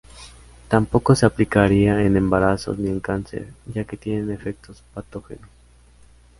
Tampoco se aplicaría en embarazos ni en cáncer ya que tiene efectos patógenos.